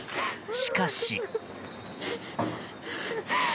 しかし。